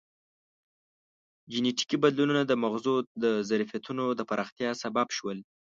جینټیکي بدلونونه د مغزو د ظرفیتونو د پراختیا سبب شول.